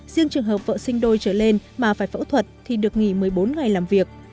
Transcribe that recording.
riêng trường hợp vợ sinh đôi trở lên mà phải phẫu thuật thì được nghỉ một mươi bốn ngày làm việc